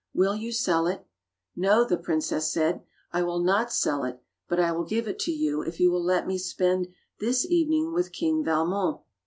Will you sell it?" "No," the princess said, "I will not sell ' it, but I will give it to you if you will let me spend this evening with King Valmon."